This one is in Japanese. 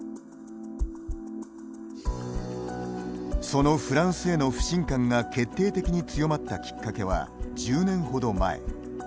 そのフランスへの不信感が決定的に強まったきっかけは１０年ほど前。